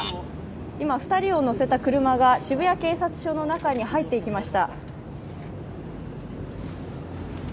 今、２人を乗せた車が渋谷警察署の中に入っていきました。